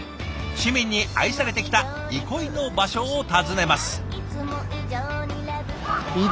市民に愛されてきた憩いの場所を訪ねます。